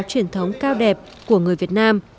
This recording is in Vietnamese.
truyền thống cao đẹp của người việt nam